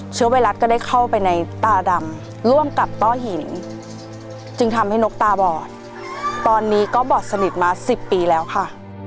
เชื้อไวรัสก็ได้เข้าไปในตาดำร่วมกับต้อหินจึงทำให้นกตาบอดตอนนี้ก็บอดสนิทมา๑๐ปีแล้วค่ะ